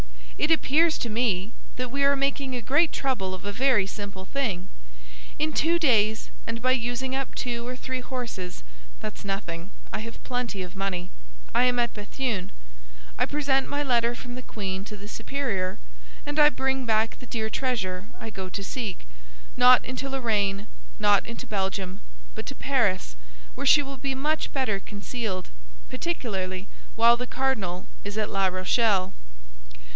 "It appears to me that we are making a great trouble of a very simple thing. In two days, and by using up two or three horses (that's nothing; I have plenty of money), I am at Béthune. I present my letter from the queen to the superior, and I bring back the dear treasure I go to seek—not into Lorraine, not into Belgium, but to Paris, where she will be much better concealed, particularly while the cardinal is at La Rochelle.